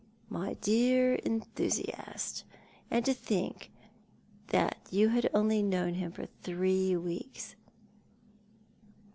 "My dear enthusiast! And to think that you had only known him three weeks."